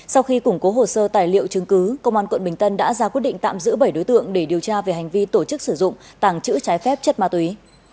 sau khi củng cố hồ sơ tài liệu chứng cứ công an quận bình tân đã ra quyết định tạm giữ bảy đối tượng để điều tra về hành vi tổ chức sử dụng tàng trữ trái phép chất ma túy